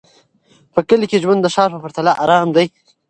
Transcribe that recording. په کلي کې ژوند د ښار په پرتله ارام دی.